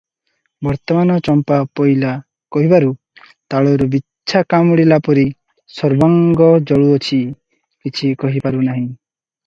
ବର୍ତ୍ତମାନ ଚମ୍ପା ପୋଇଲା' କହିବାରୁ ତାଳୁରେ ବିଛା କାମୁଡ଼ିଲାପରି ସର୍ବାଙ୍ଗ ଜଳୁଅଛି, କିଛି କହିପାରୁ ନାହିଁ ।